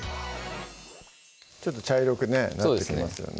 ちょっと茶色くねなってきますよね